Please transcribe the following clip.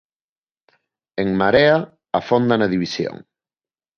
En Marea afonda na división.